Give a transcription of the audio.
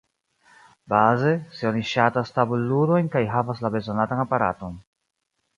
Baze, se oni ŝatas tabulludojn kaj havas la bezonatan aparaton.